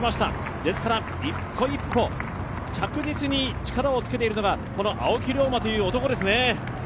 ですから一歩一歩、着実に力を付けているのが青木涼真という男ですね。